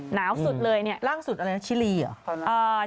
หนาวสุดเลยเนี่ยล่าสุดอะไรนะชิลีเหรอ